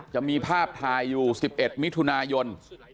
จะมีภาพถ่ายอยู่๑๑มิถุนายน